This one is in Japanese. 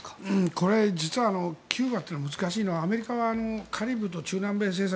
これ、実はキューバというのが難しいのはアメリカはカリブと中南米政策